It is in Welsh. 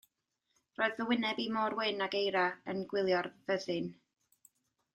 Roedd fy wyneb i mor wyn ag eira yn gwylio'r fyddin.